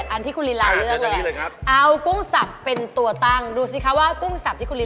อันนี้เป็นเกี้ยวกุ้งซุปโชยึ